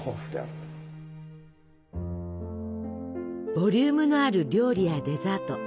ボリュームのある料理やデザート